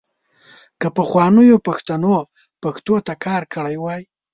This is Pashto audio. که پخوانیو پښتنو پښتو ته کار کړی وای .